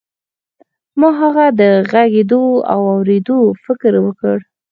ما هغه ته د غږېدو او اورېدو فکر ورکړ.